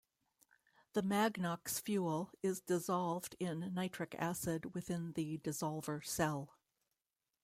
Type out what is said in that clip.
The Magnox fuel is dissolved in Nitric acid within the Dissolver Cell.